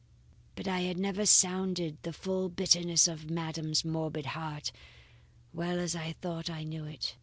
But I had never sounded the full bitterness of madam's morbid heart, well as I thought I knew it.